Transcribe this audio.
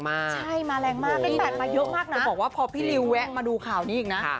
กลับกับ๘มาแรงมากก็พออฟพี่ลิวแวะมาดูข่าวนี้อีกนะ